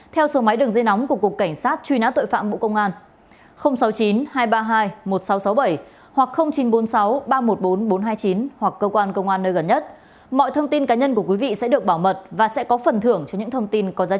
theo sổ máy đường dây nóng của cục cảnh sát truy nã tội phạm mũ công an sáu mươi chín hai trăm ba mươi hai một nghìn sáu trăm sáu mươi bảy hoặc chín trăm bốn mươi sáu ba trăm một mươi bốn bốn trăm hai mươi chín hoặc cơ quan công an nơi gần nhất